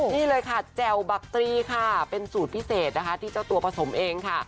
นี่เลยค่ะแจ่วบักตรีค่ะเป็นสูตรพิเศษนะคะที่เจ้าตัวผสมเองค่ะ